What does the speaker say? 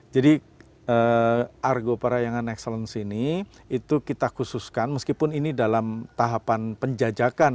jadi argoparahyangan excellent ini itu kita khususkan meskipun ini dalam tahapan penjajakan